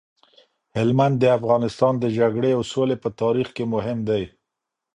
هلمند د افغانستان د جګړې او سولې په تاریخ کي مهم دی.